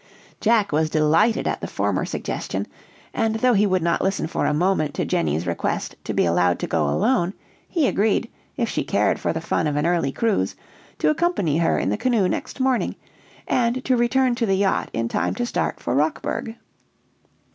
Jack was delighted at the former suggestion, and though he would not listen for a moment to Jenny's request to be allowed to go alone, he agreed, if she cared for the fun of an early cruise, to accompany her in the canoe next morning, and to return to the yacht in time to start for Rockburg.